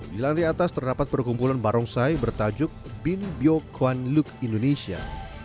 di lantai atas terdapat perkumpulan barongsai bertajuk bin biyo kwan luk indonesia